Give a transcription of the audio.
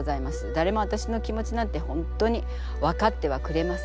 誰も私の気持ちなんて本当に分かってはくれません。